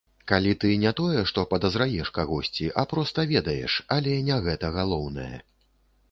Калі ты не тое, што падазраеш кагосьці, а проста ведаеш, але не гэта галоўнае.